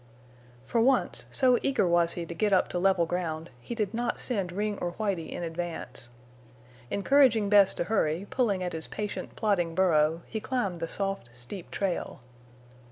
For once, so eager was he to get up to level ground, he did not send Ring or Whitie in advance. Encouraging Bess to hurry pulling at his patient, plodding burro, he climbed the soft, steep trail.